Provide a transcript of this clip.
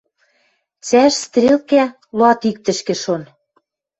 Цӓш стрелкӓ луатиктӹшкӹ шон.